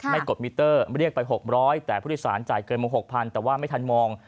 กดมิเตอร์เรียกไป๖๐๐แต่ผู้โดยสารจ่ายเกินมา๖๐๐แต่ว่าไม่ทันมอง